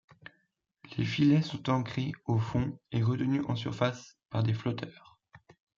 Les filets sont ancrés au fond et retenus en surface par des flotteurs.